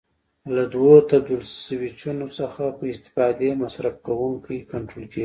له دوو تبدیل سویچونو څخه په استفادې مصرف کوونکی کنټرول کېږي.